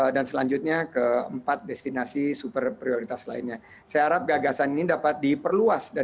dan selanjutnya keempat destinasi super prioritas lainnya seharap gagasan ini dapat diperluas dan